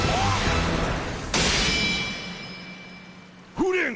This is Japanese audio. フレン！？